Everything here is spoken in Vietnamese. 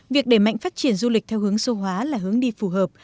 việc đẩy mạnh phát triển du lịch theo hướng số hóa là hướng đi phù hợp